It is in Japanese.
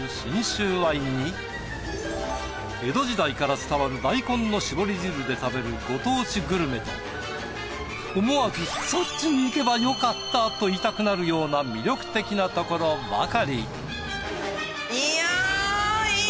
江戸時代から伝わる大根の搾り汁で食べるご当地グルメと思わずそっちに行けばよかった！と言いたくなるような魅力的なところばかり。